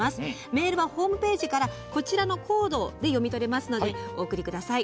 メールはホームページからこちらのコードで読み取れますのでお送りください。